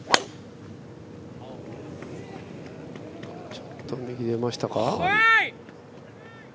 ちょっと右に出ましたか。